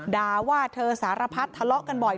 ด่าว่าเธอสารพัดทะเลาะกันบ่อย